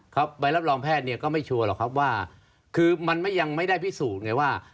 ใบรับรองแพทย์เนี่ยก็ไม่ชัวร์หรอกครับว่าคือมันยังไม่ได้พิสูจน์ไงว่า